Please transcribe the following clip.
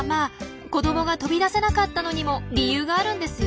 子どもが飛び出せなかったのにも理由があるんですよ。